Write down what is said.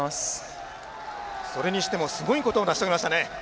それにしてもすごいことを成し遂げましたね。